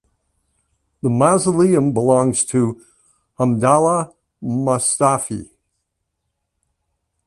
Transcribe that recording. The mausoleum belongs to Hamdallah Mustawfi.